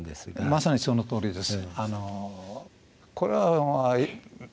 まさにそのとおりです。